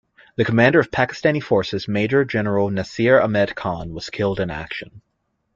The commander of Pakistani forces Major General Nasir Ahmed Khan was killed in action.